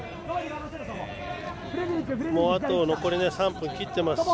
あと残り３分を切っているし